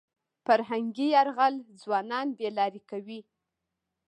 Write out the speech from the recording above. فرهنګي یرغل ځوانان بې لارې کوي.